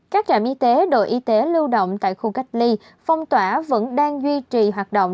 các trạm y tế đội y tế lưu động tại khu cách ly phong tỏa vẫn đang duy trì hoạt động